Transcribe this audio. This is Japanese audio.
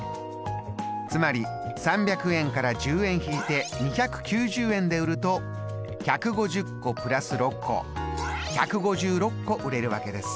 つまり３００円から１０円引いて２９０円で売ると１５０個＋６個１５６個売れるわけです。